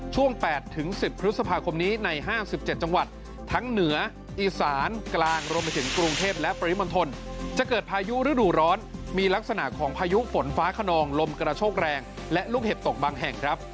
ช่วง๘๑๐พฤษภาคมนี้ใน๕๗จังหวัดทั้งเหนืออีสานกลางรวมไปถึงกรุงเทพและปริมณฑลจะเกิดพายุฤดูร้อนมีลักษณะของพายุฝนฟ้าขนองลมกระโชกแรงและลูกเห็บตกบางแห่งครับ